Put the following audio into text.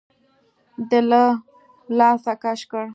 ده له لاسه کش کړه.